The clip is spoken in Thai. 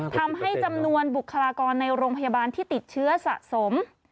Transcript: ทำให้จำนวนบุคลากรในโรงพยาบาลที่ติดเชื้อสะสม